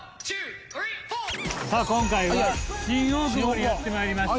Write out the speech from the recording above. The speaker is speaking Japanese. さあ今回は新大久保にやって参りました。